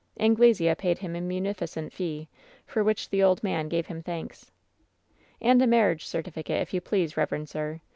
"Anglesea paid him a munificent fee, for which the old man gave him thanks. " ^And a marriage certificate, if vou please, reverend sir.